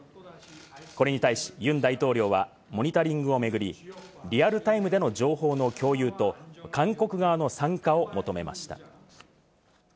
これに対し、ユン大統領はモニタリングを巡り、リアルタイムでの情報の共有と韓国側の参加を求めました。